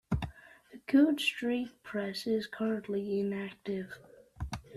The Coode Street Press is currently inactive.